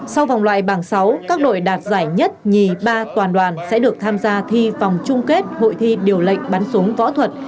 sau vòng loại bảng sáu các đội đạt giải nhất nhì ba toàn đoàn sẽ được tham gia thi vòng chung kết hội thi điều lệnh bắn súng võ thuật